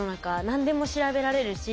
何でも調べられるし